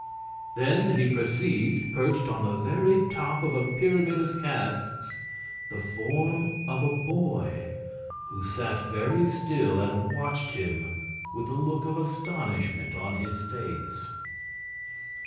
Then he perceived, perched on the very top of a pyramid of casks, the form of a boy, who sat very still and watched him with a look of astonishment upon his face.